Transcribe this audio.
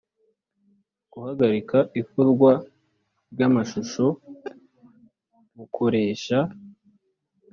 Guhagarika Ikorwa Ry Amashusho Bukoresha